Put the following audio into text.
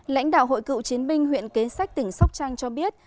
lãnh đạo hội cựu chiến binh huyện kế sách tỉnh sóc trăng cho biết